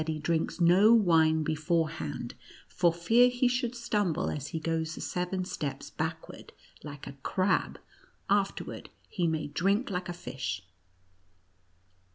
that lie drinks no wine beforehand, for fear he should stumble as he goes the seven steps back ward, like a crab ; afterward he may drink like a fish."